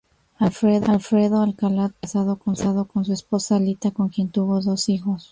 Alfredo Alcala estuvo casado con su esposa Lita con quien tuvo dos hijos.